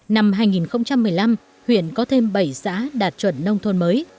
năm hai nghìn một mươi năm huyện có thêm bảy xã đạt chuẩn nông thôn mới